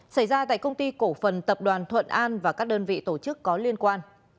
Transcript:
xảy ra tại công ty cổ phần tập đoàn thuận an và các đơn vị tổ chức có liên quan